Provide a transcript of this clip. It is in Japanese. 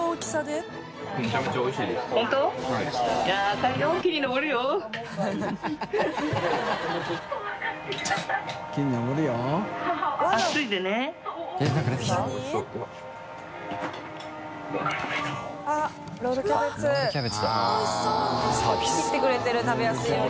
淵Εぅ切ってくれてる食べやすいように。